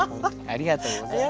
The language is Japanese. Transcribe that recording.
ありがとうございます。